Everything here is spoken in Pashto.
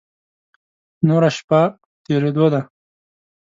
نوره شپه په تېرېدو ده.